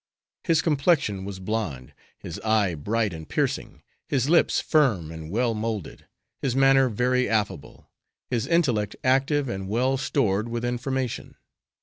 His complexion was blonde, his eye bright and piercing, his lips firm and well moulded; his manner very affable; his intellect active and well stored with information.